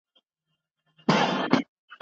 که پوره معلومات نه وي نو څېړنه مه کوه.